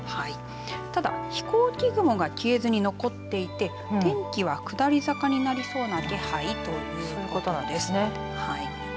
ただ、飛行機雲が消えずに残っていて天気は下り坂になりそうな気配ということです。